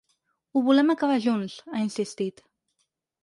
Ho volem acabar junts, ha insistit.